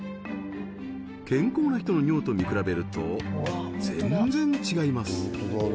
健康な人の尿と見比べると全然違います